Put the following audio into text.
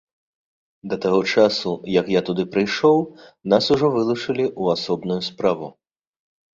Да таго часу, як я туды прыйшоў, нас ужо вылучылі ў асобную справу.